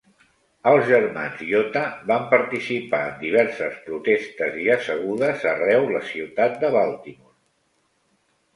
Els germans Iota van participar en diverses protestes i assegudes arreu la ciutat de Baltimore.